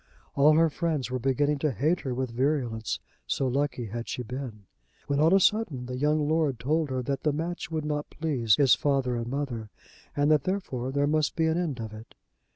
All her friends were beginning to hate her with virulence, so lucky had she been! When on a sudden, the young lord told her that the match would not please his father and mother, and that therefore there must be an end of it.